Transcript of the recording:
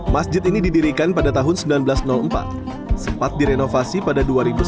masjid ini didirikan pada tahun seribu sembilan ratus empat sempat direnovasi pada dua ribu sebelas